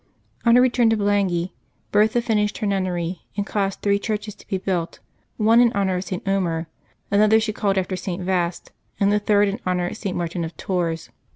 On her return to Blangy, Bertha finished her nunnery and caused three churches to be built, one in honor of St. Omer, another she called after St. Vaast, and the third in honor of St. Martin of Tours.